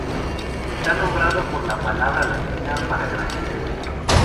Está nombrado por la palabra latina para "gracia".